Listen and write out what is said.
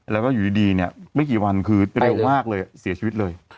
แล้วก็อยู่ดีเนี่ยไม่กี่วันคือเร็วมากเลยเสียชีวิตเลย